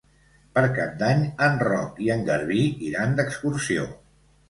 Per Cap d'Any en Roc i en Garbí iran d'excursió.